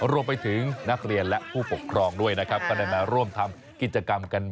รวมไปถึงนักเรียนและผู้ปกครองด้วยนะครับก็ได้มาร่วมทำกิจกรรมกัน